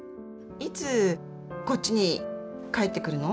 いつこっちに帰ってくるの？